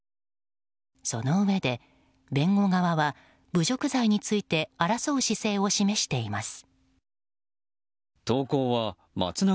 そのうえで、弁護側は侮辱罪について争う姿勢を示しています。